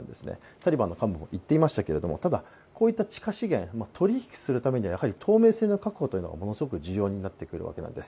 タリバンの幹部も言っていましたけれども、ただ、こういった地下資源取引するためには透明性の確保というのがものすごく重要になってくるわけなんです。